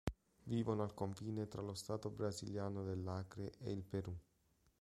Vivono al confine tra lo stato brasiliano dell'Acre e il Perù.